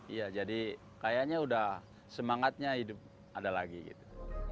iya jadi kayaknya udah semangatnya hidup ada lagi gitu